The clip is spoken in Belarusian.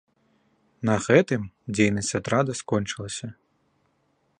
На гэтым дзейнасць атрада скончылася.